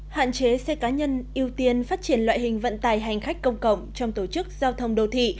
hạn chế xe cá nhân ưu tiên phát triển loại hình vận tài hành khách công cộng trong tổ chức giao thông đô thị